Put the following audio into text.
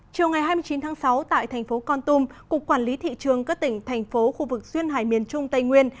chiều ngày hai mươi chín tháng sáu tại thành phố con tum cục quản lý thị trường các tỉnh thành phố khu vực duyên hải miền trung tây nguyên